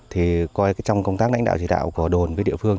trong công tác lãnh đạo chỉ đạo của đồn với địa phương